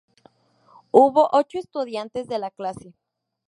Hubo ocho estudiantes de la clase.